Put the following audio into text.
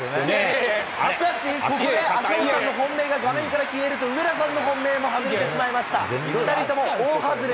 しかし、ここで赤星さんの本命が画面から消えると、上田さんの本命も外れてしまいました。